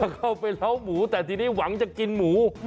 เข้าไปเล้าหมูแต่ทีนี้หวังจะกินหมู